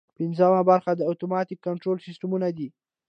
پنځمه برخه د اتوماتیک کنټرول سیسټمونه دي.